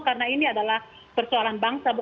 karena ini adalah persoalan bangsa